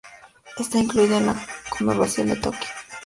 Está incluida en la conurbación de Tokio.